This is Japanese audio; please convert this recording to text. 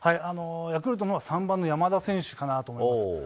ヤクルトも３番の山田選手かなと思います。